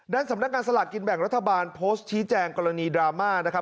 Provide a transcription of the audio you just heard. ด้านสำนักการสลากกินแบ่งรัฐบาลโพสต์ชี้แจงกรณีดราม่า